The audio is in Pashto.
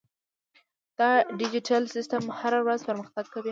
دا ډیجیټل سیستم هره ورځ پرمختګ کوي.